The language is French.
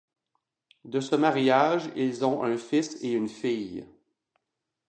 De ce mariage, ils ont un fils et une fille.